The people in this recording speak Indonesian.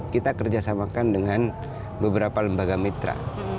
kita kerjasamakan dengan beberapa lembaga mitra